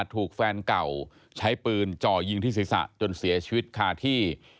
ถูกแฟนเก่าใช้ปืนจ่อยิงที่ศีรษะจนเสียชีวิตคาที่